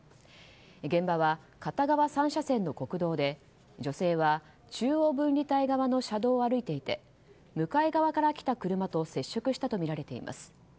現場は片側３車線の国道で女性は中央分離帯側の車道を歩いていて向かい側から来た車と接触したとみられています。